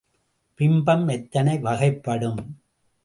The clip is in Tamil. பிம்பம் எத்தனை வகைப்படும்?